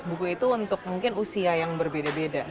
buku itu untuk mungkin usia yang berbeda beda